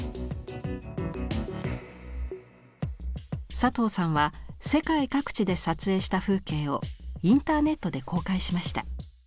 佐藤さんは世界各地で撮影した風景をインターネットで公開しました。